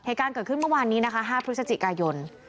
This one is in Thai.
เหตุการณ์เกิดขึ้นเมื่อวานนี้นะคะ๕พฤศจิกายน